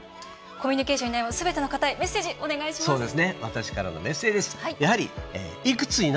コミュニケーションに悩むすべての方へメッセージお願いします。